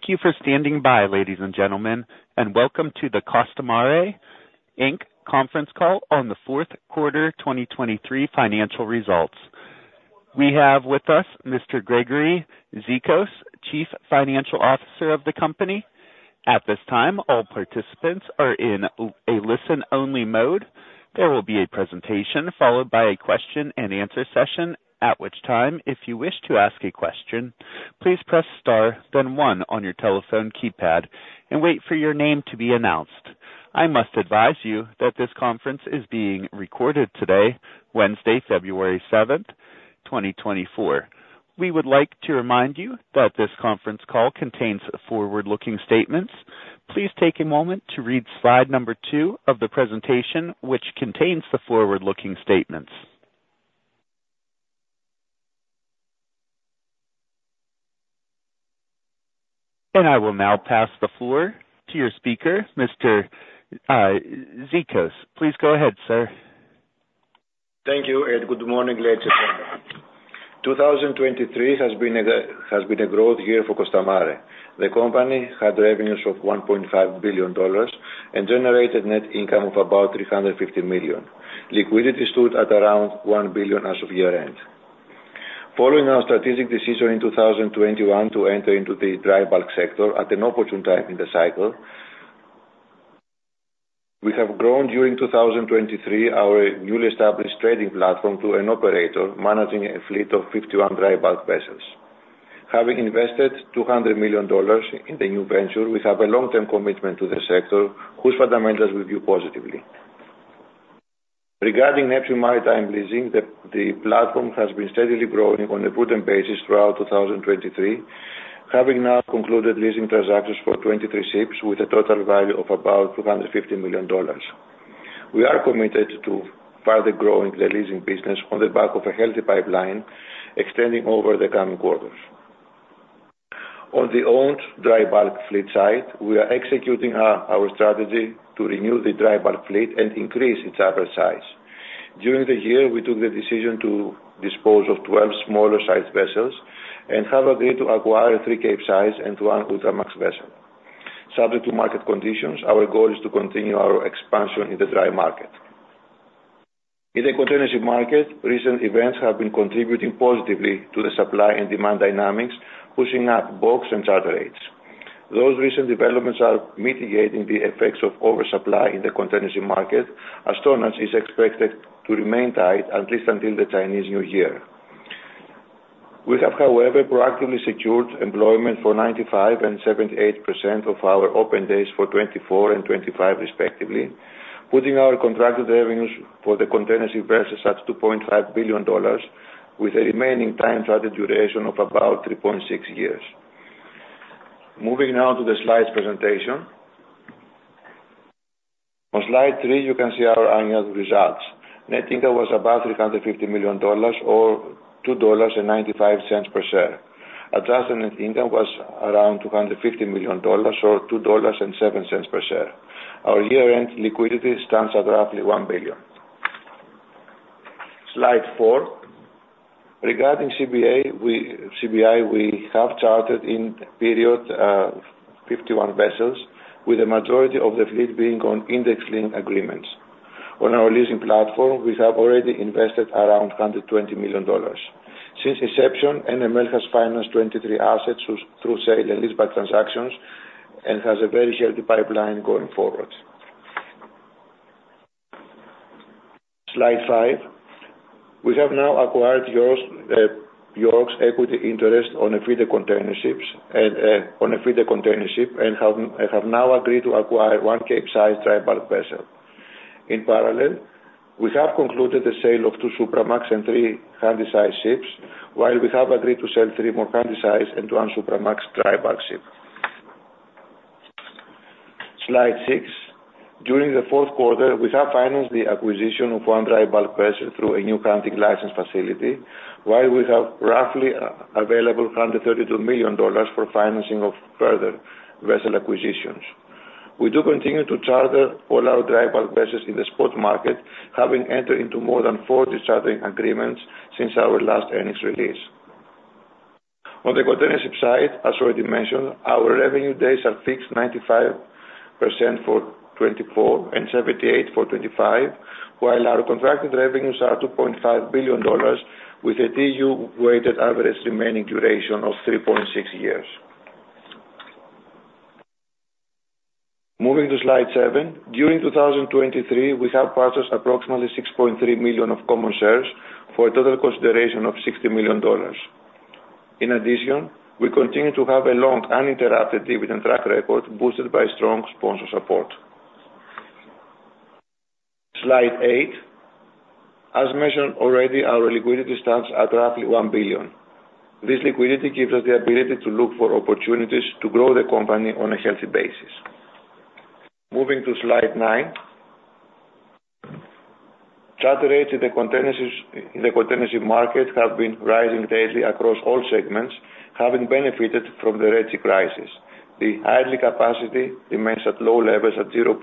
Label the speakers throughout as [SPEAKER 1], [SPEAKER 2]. [SPEAKER 1] Thank you for standing by, ladies and gentlemen, and welcome to the Costamare Inc conference call on the fourth quarter 2023 financial results. We have with us Mr. Gregory Zikos, Chief Financial Officer of the company. At this time, all participants are in a listen-only mode. There will be a presentation followed by a question-and-answer session, at which time, if you wish to ask a question, please press star, then one on your telephone keypad and wait for your name to be announced. I must advise you that this conference is being recorded today, Wednesday, February 7th, 2024. We would like to remind you that this conference call contains forward-looking statements. Please take a moment to read slide number two of the presentation, which contains the forward-looking statements. I will now pass the floor to your speaker, Mr. Zikos. Please go ahead, sir.
[SPEAKER 2] Thank you, and good morning, ladies and gentlemen. 2023 has been a growth year for Costamare. The company had revenues of $1.5 billion and generated net income of about $350 million. Liquidity stood at around $1 billion as of year-end. Following our strategic decision in 2021 to enter into the dry bulk sector at an opportune time in the cycle, we have grown during 2023 our newly established trading platform to an operator managing a fleet of 51 dry bulk vessels. Having invested $200 million in the new venture, we have a long-term commitment to the sector, whose fundamentals we view positively. Regarding Neptune Maritime Leasing, the platform has been steadily growing on a good basis throughout 2023, having now concluded leasing transactions for 23 ships with a total value of about $250 million. We are committed to further growing the leasing business on the back of a healthy pipeline extending over the coming quarters. On the owned dry bulk fleet side, we are executing our strategy to renew the dry bulk fleet and increase its average size. During the year, we took the decision to dispose of 12 smaller-sized vessels and have agreed to acquire three Capesize and one Ultramax vessel. Subject to market conditions, our goal is to continue our expansion in the dry market. In the containership market, recent events have been contributing positively to the supply and demand dynamics, pushing up box and charter rates. Those recent developments are mitigating the effects of oversupply in the containership market as tonnage is expected to remain tight at least until the Chinese New Year. We have, however, proactively secured employment for 95% and 78% of our open days for 2024 and 2025 respectively, putting our contracted revenues for the containership vessels at $2.5 billion, with a remaining time charter duration of about 3.6 years. Moving now to the slides presentation. On slide three, you can see our annual results. Net income was about $350 million or $2.95 per share. Adjusted net income was around $250 million, or $2.07 per share. Our year-end liquidity stands at roughly $1 billion. Slide four. Regarding CBI, we have chartered in period 51 vessels, with the majority of the fleet being on index-linked agreements. On our leasing platform, we have already invested around $120 million. Since inception, NML has financed 23 assets through sale and leaseback transactions and has a very healthy pipeline going forward. Slide five. We have now acquired York's equity interest in feeder container ships and in a feeder container ship, and have now agreed to acquire one Capesize dry bulk vessel. In parallel, we have concluded the sale of two Supramax and three Handysize ships, while we have agreed to sell three more Handysize and one Supramax dry bulk ship. Slide six. During the fourth quarter, we have financed the acquisition of one dry bulk vessel through a new Japanese leasing facility, while we have roughly $132 million available for financing of further vessel acquisitions. We do continue to charter all our dry bulk vessels in the spot market, having entered into more than 40 chartering agreements since our last earnings release. On the container ship side, as already mentioned, our revenue days are fixed 95% for 2024 and 78% for 2025, while our contracted revenues are $2.5 billion, with a TEU weighted average remaining duration of 3.6 years. Moving to slide seven. During 2023, we have purchased approximately $6.3 million of common shares for a total consideration of $60 million. In addition, we continue to have a long uninterrupted dividend track record, boosted by strong sponsor support. Slide eight. As mentioned already, our liquidity stands at roughly $1 billion. This liquidity gives us the ability to look for opportunities to grow the company on a healthy basis. Moving to slide nine. Charter rates in the containerships, in the containership market have been rising daily across all segments, having benefited from the Red Sea crisis. The idle capacity remains at low levels at 0.8%....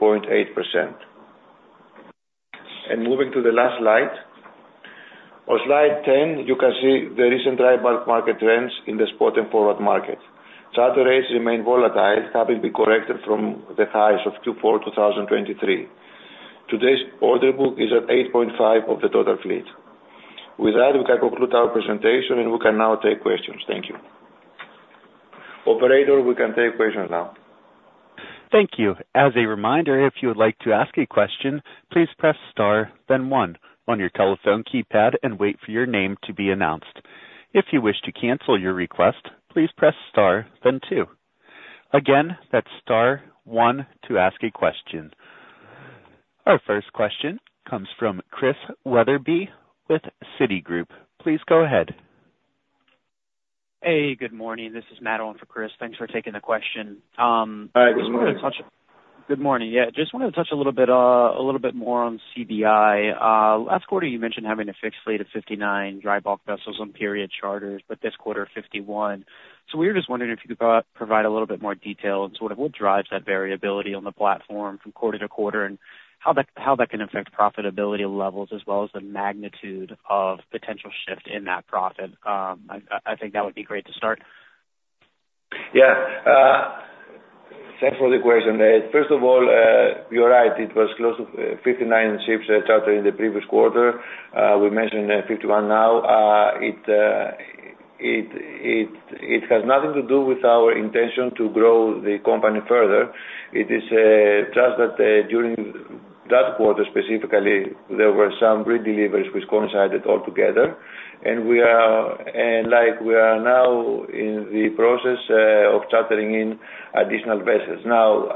[SPEAKER 2] Moving to the last slide. On slide 10, you can see the recent dry bulk market trends in the spot and forward market. Charter rates remain volatile, having been corrected from the highs of Q4 2023. Today's order book is at 8.5% of the total fleet. With that, we can conclude our presentation and we can now take questions. Thank you. Operator, we can take questions now.
[SPEAKER 1] Thank you. As a reminder, if you would like to ask a question, please press star, then one on your telephone keypad and wait for your name to be announced. If you wish to cancel your request, please press star, then two. Again, that's star one to ask a question. Our first question comes from Chris Wetherbee with Citigroup. Please go ahead.
[SPEAKER 3] Hey, good morning. This is Madeline for Chris. Thanks for taking the question.
[SPEAKER 2] Hi, good morning.
[SPEAKER 3] Good morning. Yeah, just wanted to touch a little bit, a little bit more on CBI. Last quarter, you mentioned having a fixed fleet of 59 dry bulk vessels on period charters, but this quarter, 51. So we were just wondering if you could provide a little bit more detail on sort of what drives that variability on the platform from quarte- to-quarter, and how that can affect profitability levels as well as the magnitude of potential shift in that profit. I think that would be great to start.
[SPEAKER 2] Yeah. Thanks for the question. First of all, you're right, it was close to 59 ships chartered in the previous quarter. We mentioned 51 now. It has nothing to do with our intention to grow the company further. It is just that, during that quarter specifically, there were some re-deliveries which coincided all together, and like, we are now in the process of chartering in additional vessels. Now,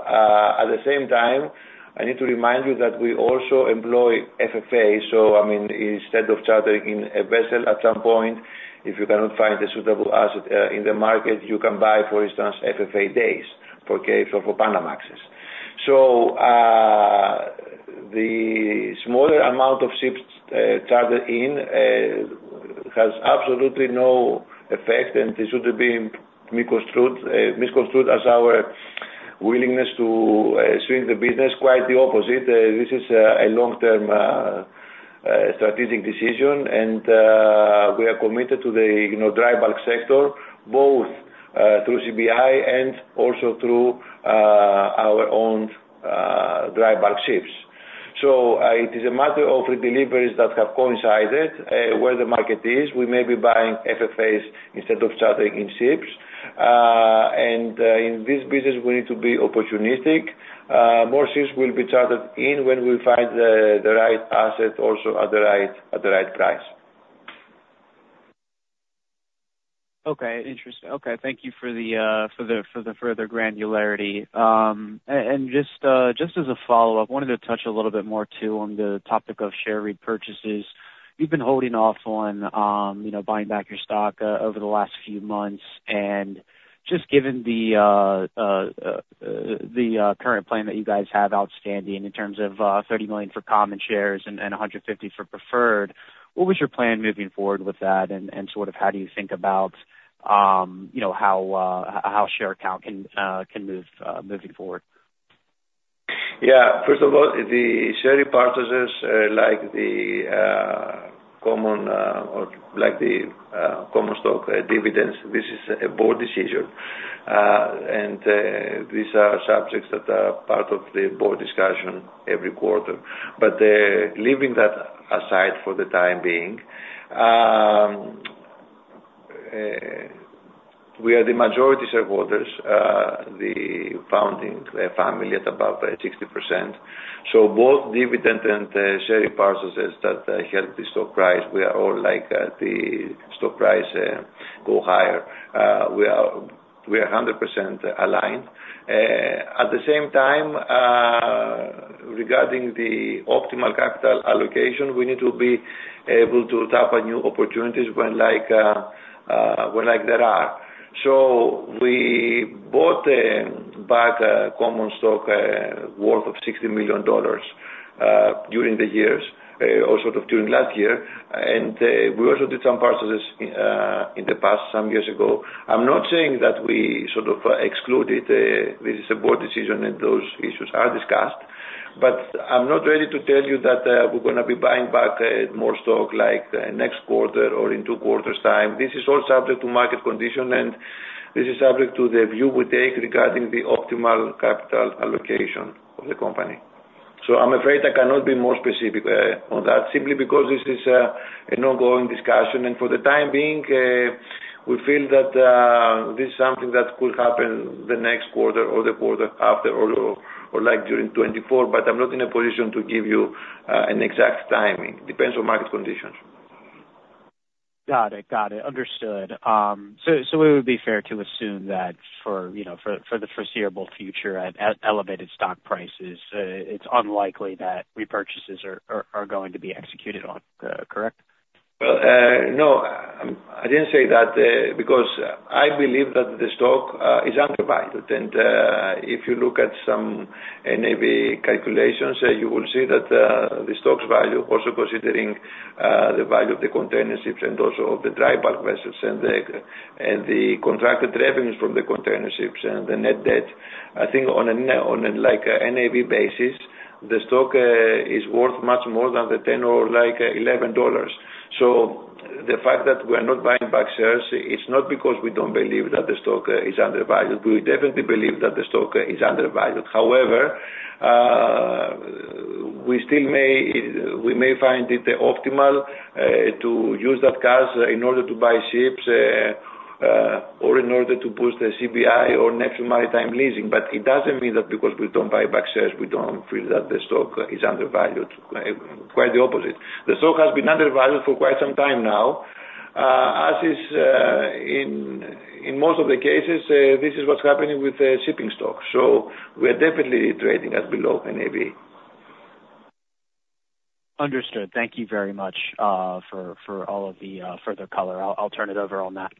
[SPEAKER 2] at the same time, I need to remind you that we also employ FFA. So, I mean, instead of chartering in a vessel, at some point, if you cannot find a suitable asset in the market, you can buy, for instance, FFA days for Capes or for Panamax. So, the smaller amount of ships chartered in has absolutely no effect, and this shouldn't be misconstrued as our willingness to shrink the business. Quite the opposite. This is a long-term strategic decision, and we are committed to the, you know, dry bulk sector, both through CBI and also through our own dry bulk ships. So, it is a matter of deliveries that have coincided where the market is. We may be buying FFAs instead of chartering in ships. And in this business, we need to be opportunistic. More ships will be chartered in when we find the right asset also at the right price.
[SPEAKER 3] Okay. Interesting. Okay, thank you for the further granularity. And just as a follow-up, wanted to touch a little bit more too, on the topic of share repurchases. You've been holding off on, you know, buying back your stock, over the last few months, and just given the current plan that you guys have outstanding in terms of $30 million for common shares and $150 million for preferred, what was your plan moving forward with that, and sort of how do you think about, you know, how share count can move moving forward?
[SPEAKER 2] Yeah, first of all, the share repurchases, like the common stock dividends, this is a board decision. These are subjects that are part of the board discussion every quarter. But, leaving that aside for the time being, we are the majority shareholders, the founding family at about 60%. So both dividend and share repurchases that help the stock price, we are all like the stock price go higher. We are 100% aligned. At the same time, regarding the optimal capital allocation, we need to be able to tap on new opportunities when like there are. So we bought back common stock worth of $60 million during the years or sort of during last year. We also did some purchases in the past, some years ago. I'm not saying that we sort of excluded. This is a board decision, and those issues are discussed, but I'm not ready to tell you that we're gonna be buying back more stock like next quarter or in 2 quarters' time. This is all subject to market condition, and this is subject to the view we take regarding the optimal capital allocation of the company. So I'm afraid I cannot be more specific on that, simply because this is an ongoing discussion. And for the time being, we feel that this is something that could happen the next quarter or the quarter after or, or like during 2024. But I'm not in a position to give you an exact timing. Depends on market conditions.
[SPEAKER 3] Got it. Got it. Understood. So, it would be fair to assume that for, you know, the foreseeable future at elevated stock prices, it's unlikely that repurchases are going to be executed, correct?
[SPEAKER 2] Well, no, I didn't say that, because I believe that the stock is undervalued. And, if you look at some NAV calculations, you will see that the stock's value, also considering the value of the container ships and also of the dry bulk vessels and the, and the contracted revenues from the container ships and the net debt, I think on a, like, NAV basis, the stock is worth much more than the $10 or like $11. The fact that we are not buying back shares, it's not because we don't believe that the stock is undervalued. We definitely believe that the stock is undervalued. However, we still may, we may find it optimal to use that cash in order to buy ships or in order to boost the CBI or Neptune Maritime Leasing. But it doesn't mean that because we don't buy back shares, we don't feel that the stock is undervalued. Quite the opposite. The stock has been undervalued for quite some time now. As is in most of the cases, this is what's happening with the shipping stocks. So we are definitely trading at below NAV.
[SPEAKER 3] Understood. Thank you very much for all of the further color. I'll turn it over on that.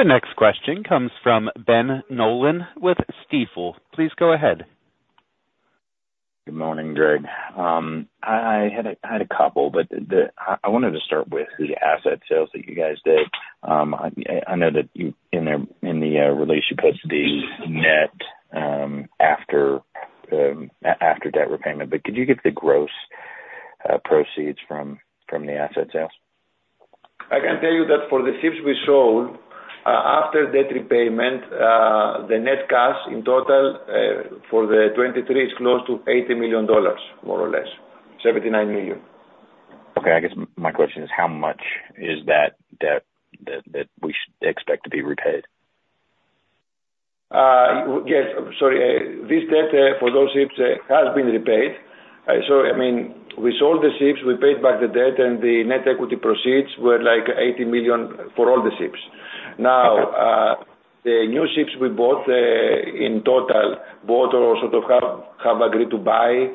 [SPEAKER 1] The next question comes from Ben Nolan with Stifel. Please go ahead.
[SPEAKER 4] Good morning, Greg. I had a couple, but I wanted to start with the asset sales that you guys did. I know that you in the release you put the net after debt repayment, but could you give the gross proceeds from the asset sales?
[SPEAKER 2] I can tell you that for the ships we sold, after debt repayment, the net cash in total, for 2023 is close to $80 million, more or less. $79 million.
[SPEAKER 4] Okay, I guess my question is how much is that debt that we should expect to be repaid?
[SPEAKER 2] Yes, sorry. This debt for those ships has been repaid. So, I mean, we sold the ships, we paid back the debt, and the net equity proceeds were like $80 million for all the ships.
[SPEAKER 4] Okay.
[SPEAKER 2] Now, the new ships we bought, in total, bought or sort of have agreed to buy,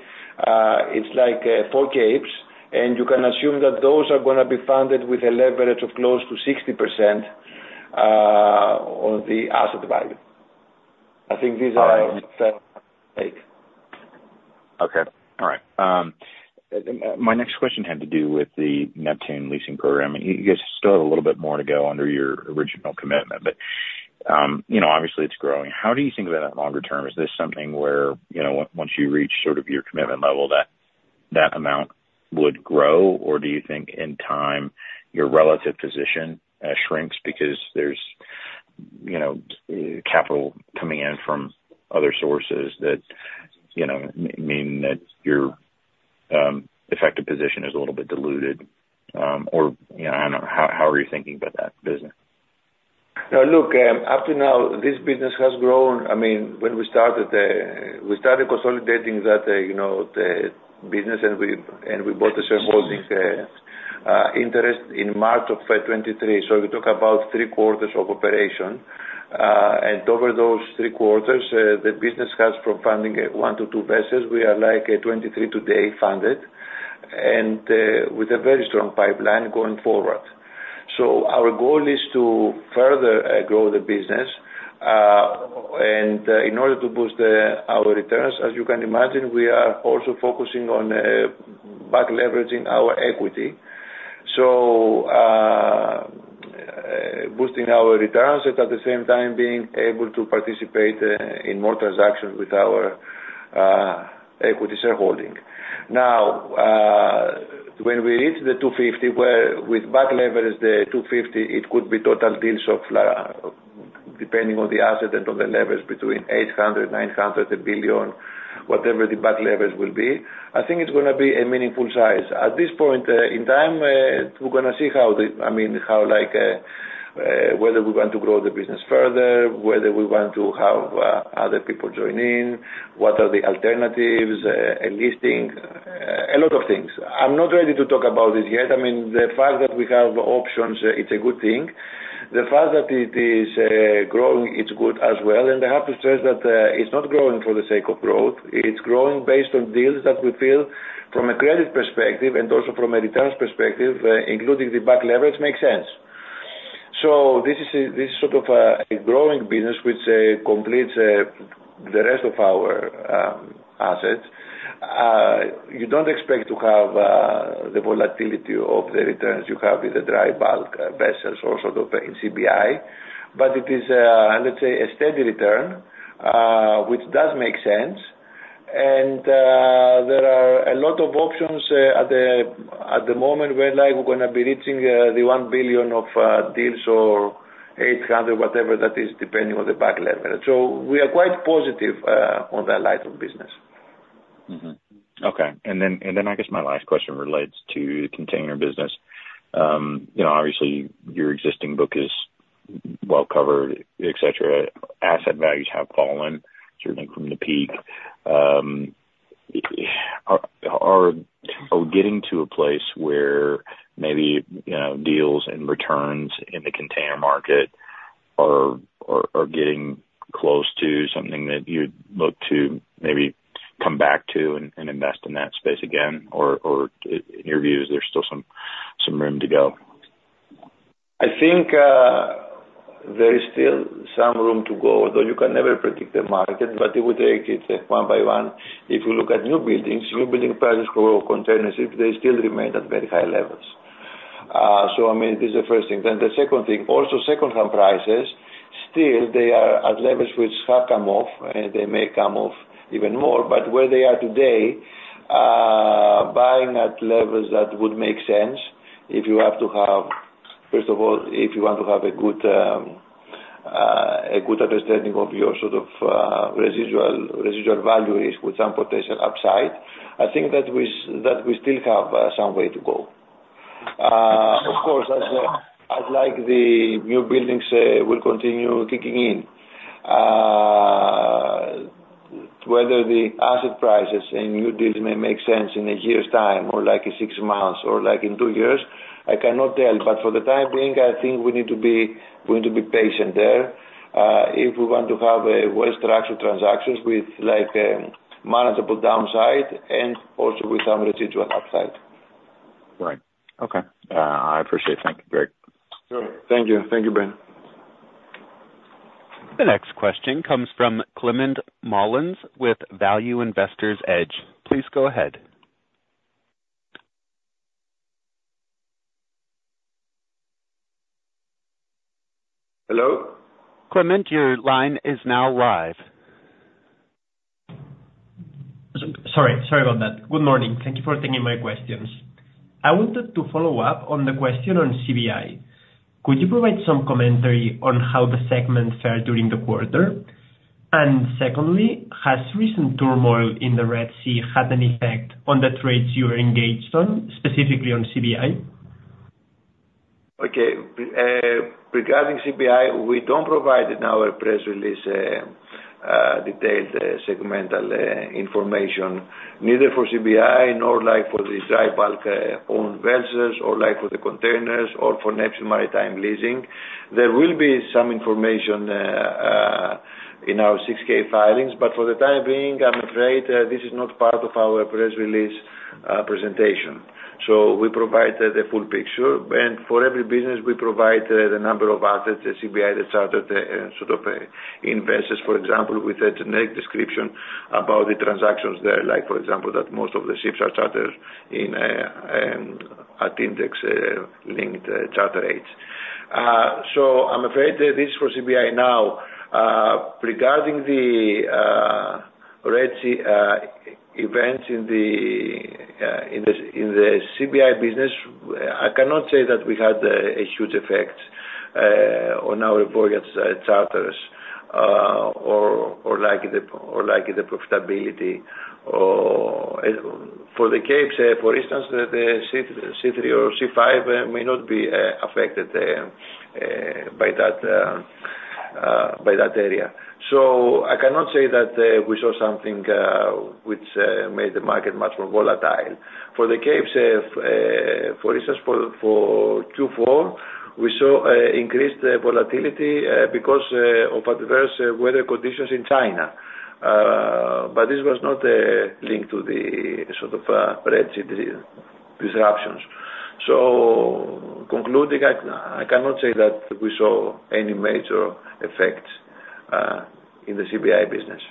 [SPEAKER 2] it's like, four Capes, and you can assume that those are gonna be funded with a leverage of close to 60%, on the asset value. I think these are-
[SPEAKER 4] All right. Okay. All right. My next question had to do with the Neptune leasing program. You guys still have a little bit more to go under your original commitment, but, you know, obviously it's growing. How do you think about that longer term? Is this something where, you know, once you reach sort of your commitment level, that, that amount would grow? Or do you think in time, your relative position shrinks because there's, you know, capital coming in from other sources that, you know, mean that your effective position is a little bit diluted, or, you know, I don't know, how are you thinking about that business?
[SPEAKER 2] Now, look, up to now, this business has grown. I mean, when we started, we started consolidating that, you know, the business and we, and we bought the shareholding, interest in March of 2023. So we talk about three quarters of operation. And over those three quarters, the business has from funding one-to-two vessels, we are like at 23 today, funded, and, with a very strong pipeline going forward. So our goal is to further, grow the business, and, in order to boost the, our returns, as you can imagine, we are also focusing on, back leveraging our equity. So, boosting our returns and at the same time being able to participate, in more transactions with our, equity shareholding. Now, when we reach the 250, where with back leverage, the 250, it could be total deals of, depending on the asset and on the leverage between $800 million-$900 million, $1 billion, whatever the back leverage will be. I think it's gonna be a meaningful size. At this point, in time, we're gonna see how the... I mean, how like, whether we're going to grow the business further, whether we want to have, other people join in, what are the alternatives, a listing, a lot of things. I'm not ready to talk about this yet. I mean, the fact that we have options, it's a good thing. The fact that it is, growing, it's good as well. And I have to stress that, it's not growing for the sake of growth. It's growing based on deals that we feel from a credit perspective and also from a returns perspective, including the back leverage, makes sense. So this is sort of a growing business which completes the rest of our assets. You don't expect to have the volatility of the returns you have with the dry bulk vessels or sort of in CBI, but it is, let's say, a steady return which does make sense. And there are a lot of options at the moment where, like, we're gonna be reaching the $1 billion of deals or $800 million, whatever that is, depending on the back leverage. So we are quite positive on that line of business.
[SPEAKER 4] Mm-hmm. Okay. And then I guess my last question relates to the container business. You know, obviously, your existing book is well covered, et cetera. Asset values have fallen, certainly from the peak. Are we getting to a place where maybe, you know, deals and returns in the container market are getting close to something that you'd look to maybe come back to and invest in that space again? Or in your view, is there still some room to go?
[SPEAKER 2] I think there is still some room to go, although you can never predict the market, but it would take it one by one. If you look at new buildings, new building prices for container ships, they still remain at very high levels. So I mean, this is the first thing. Then the second thing, also secondhand prices, still they are at levels which have come off, and they may come off even more, but where they are today, buying at levels that would make sense if you have to have, first of all, if you want to have a good understanding of your sort of residual value risk with some potential upside, I think that we still have some way to go. Of course, as like the new buildings will continue kicking in. Whether the asset prices and new deals may make sense in a year's time, or like in six months, or like in two years, I cannot tell, but for the time being, I think we need to be, we need to be patient there, if we want to have a well-structured transactions with like, manageable downside and also with some residual upside.
[SPEAKER 4] Right. Okay, I appreciate it. Thank you, Greg.
[SPEAKER 2] Sure. Thank you. Thank you, Ben.
[SPEAKER 1] The next question comes from Climent Molins with Value Investor's Edge. Please go ahead.
[SPEAKER 5] Hello?
[SPEAKER 1] Climent, your line is now live.
[SPEAKER 5] Sorry, sorry about that. Good morning. Thank you for taking my questions. I wanted to follow up on the question on CBI. Could you provide some commentary on how the segment fared during the quarter? And secondly, has recent turmoil in the Red Sea had an effect on the trades you are engaged on, specifically on CBI?
[SPEAKER 2] Okay. Regarding CBI, we don't provide in our press release detailed segmental information, neither for CBI nor like for the dry bulk owned vessels, or like for the containers, or for Neptune Maritime Leasing. There will be some information in our 6-K filings, but for the time being, I'm afraid this is not part of our press release presentation. So we provide the full picture, and for every business, we provide the number of assets, the CBI that chartered, sort of, investors, for example, with a generic description about the transactions there, like, for example, that most of the ships are chartered in at index-linked charter rates. So I'm afraid that this is for CBI now. Regarding the Red Sea event in the CBI business, I cannot say that we had a huge effect on our voyage charters or like the profitability or... For the Capes, for instance, the C3 or C5 may not be affected by that area. So I cannot say that we saw something which made the market much more volatile. For the Capes, for instance, for Q4, we saw increased volatility because of adverse weather conditions in China. But this was not linked to the sort of Red Sea disruptions. So concluding, I cannot say that we saw any major effect in the CBI business.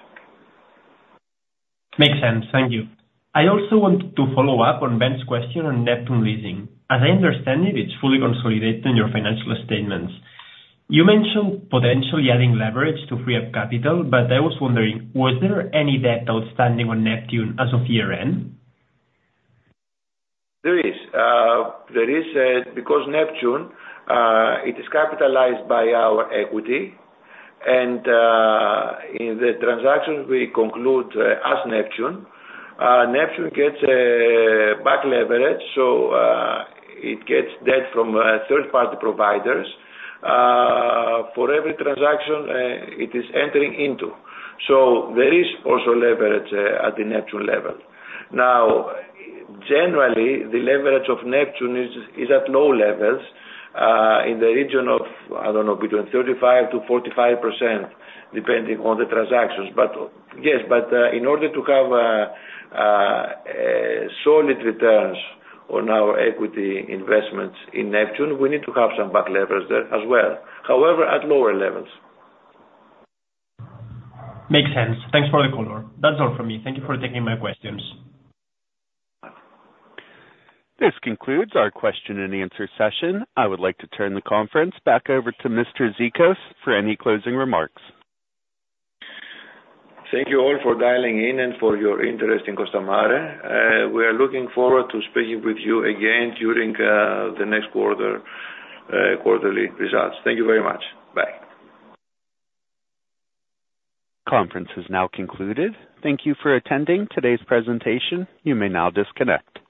[SPEAKER 5] Makes sense. Thank you. I also want to follow up on Ben's question on Neptune Leasing. As I understand it, it's fully consolidated in your financial statements. You mentioned potentially adding leverage to free up capital, but I was wondering, was there any debt outstanding on Neptune as of year-end?
[SPEAKER 2] There is. There is, because Neptune, it is capitalized by our equity, and in the transactions we conclude, as Neptune, Neptune gets back leverage. So, it gets debt from third-party providers for every transaction it is entering into. So there is also leverage at the Neptune level. Now, generally, the leverage of Neptune is at low levels in the region of, I don't know, between 35%-45%, depending on the transactions. But yes, in order to have solid returns on our equity investments in Neptune, we need to have some back leverage there as well. However, at lower levels.
[SPEAKER 5] Makes sense. Thanks for the color. That's all from me. Thank you for taking my questions.
[SPEAKER 1] This concludes our question-and-answer session. I would like to turn the conference back over to Mr. Zikos for any closing remarks.
[SPEAKER 2] Thank you all for dialing in and for your interest in Costamare. We are looking forward to speaking with you again during the next quarter quarterly results. Thank you very much. Bye.
[SPEAKER 1] Conference is now concluded. Thank you for attending today's presentation. You may now disconnect.